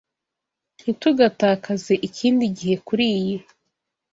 Ntitugatakaze ikindi gihe kuriyi.